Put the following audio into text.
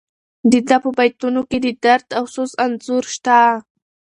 د ده په بیتونو کې د درد او سوز انځور شته.